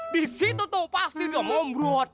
disitu tuh pasti dia ngomrot